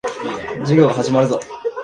授業が始まるぞ。